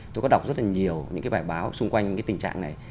tôi có đọc rất là nhiều những cái bài báo xung quanh cái tình trạng này